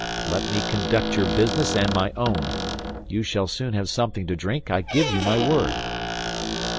Let me conduct your business and my own. You shall soon have something to drink; I give you my word."